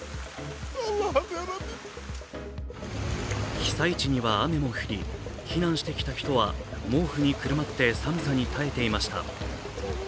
被災地には雨も降り、避難してきた人は毛布にくるまって寒さに耐えていました。